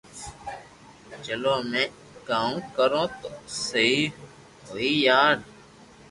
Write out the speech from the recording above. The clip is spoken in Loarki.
چلو ھمي ڪاوو ڪرو تو سھي ھوئي يار